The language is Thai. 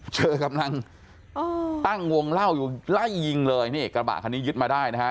เธอกำลังตั้งวงเล่าอยู่ไล่ยิงเลยนี่กระบะคันนี้ยึดมาได้นะฮะ